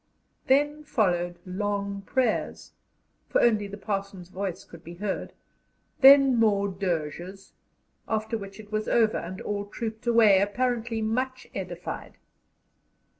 Then followed long prayers for only the parson's voice could be heard then more dirges, after which it was over, and all trooped away, apparently much edified.